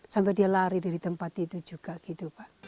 sampai dia lari dari tempat itu juga gitu pak